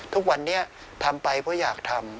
ทุกวันนี้ทำไปเพราะอยากทำ